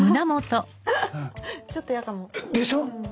ハハっちょっと嫌かも。でしょ？